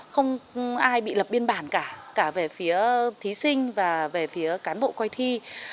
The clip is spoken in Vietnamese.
không ai bị lập biên bản cả cả về phía thí sinh và về phía cán bộ coi thi